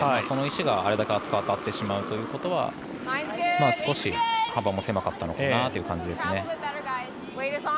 その石があれだけ厚く当たってしまうということは少し幅も狭かったのかなという感じですね。